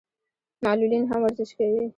معلولین هم ورزش کوي.